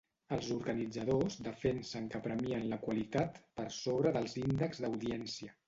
Els organitzadors defensen que premien la qualitat per sobre dels índexs d'audiència.